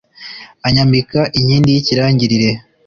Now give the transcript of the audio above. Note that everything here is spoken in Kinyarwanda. anyambika inkindi y’ikirangirire